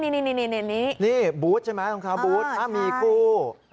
นี่บูธใช่ไหมชาวบูธมีคู่